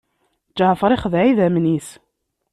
Ǧaɛfeṛ ixdeɛ idammen-is.